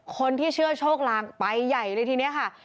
คนที่เชื่อโชคลางไปใหญ่เลยทีนี้ค่ะ